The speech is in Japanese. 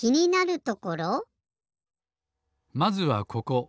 まずはここ。